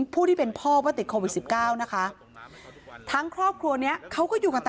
ผู้ที่เป็นพ่อว่าติดโควิด๑๙นะคะทั้งครอบครัวนี้เขาก็อยู่กันแต่